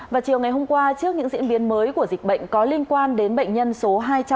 và chiều ngày hôm qua trước những diễn biến mới của dịch bệnh có liên quan đến bệnh nhân số hai trăm ba mươi